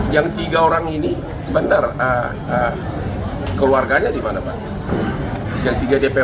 yang tiga orang ini bener ah keluarganya di mana pak yang tiga dpo